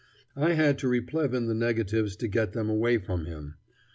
I had to replevin the negatives to get them away from him.